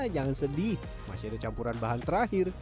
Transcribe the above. jangan sedih masih ada campuran bahan terakhir